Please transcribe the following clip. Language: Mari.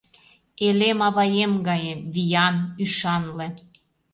Элем аваем гае: виян, ӱшанле.